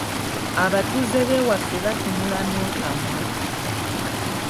Abatuuze b’ewaffe batunula n’otamwa.